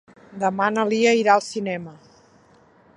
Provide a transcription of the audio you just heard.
Demà na Lia irà al cinema.